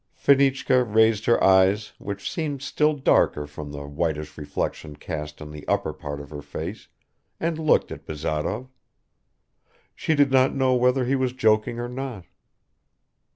Fenichka raised her eyes which seemed still darker from the whitish reflection cast on the upper part of her face, and looked at Bazarov. She did not know whether he was joking or not.